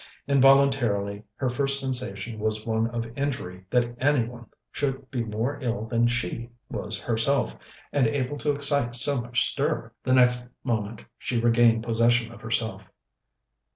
Involuntarily her first sensation was one of injury that any one should be more ill than she was herself, and able to excite so much stir. The next moment she regained possession of herself.